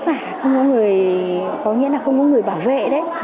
nó khổ vất vả không có người có nghĩa là không có người bảo vệ đấy